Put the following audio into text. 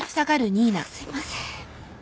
すいません。